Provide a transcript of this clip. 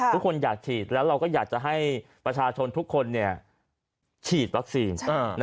ทุกคนอยากฉีดแล้วเราก็อยากจะให้ประชาชนทุกคนฉีดวัคซีน